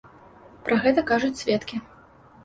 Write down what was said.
Пра гэта кажуць сведкі.